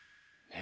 え？